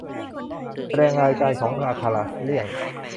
แสดงรายการของอักขระเลี่ยง